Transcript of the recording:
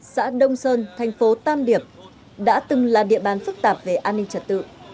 xã đông sơn thành phố tam điệp đã từng là địa bàn phức tạp về an ninh trật tự